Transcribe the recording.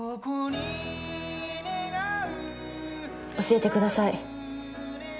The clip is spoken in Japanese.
教えてください。